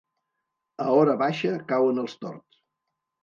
A hora baixa cauen els tords.